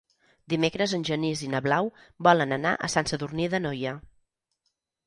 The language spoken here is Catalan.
Dimecres en Genís i na Blau volen anar a Sant Sadurní d'Anoia.